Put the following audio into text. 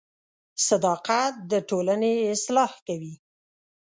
• صداقت د ټولنې اصلاح کوي.